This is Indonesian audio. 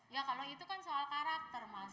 ya kalau itu kan soal karakter mas